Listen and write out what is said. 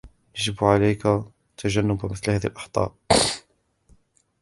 يجب عليك تجنب مثل هذه الاخطاء